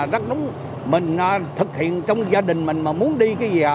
rất đúng mình thực hiện trong gia đình mình mà muốn đi cái gì